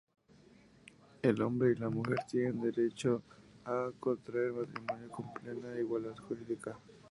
El hombre y la mujer tienen derecho a contraer matrimonio con plena igualdad jurídica.